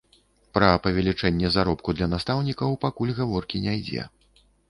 Пра павелічэнне заробку для настаўнікаў пакуль гаворкі не ідзе.